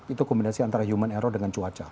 itu kombinasi antara human error dengan cuaca